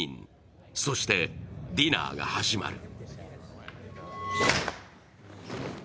そしてディナーが始まる。